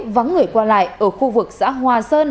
vắng người qua lại ở khu vực xã hòa sơn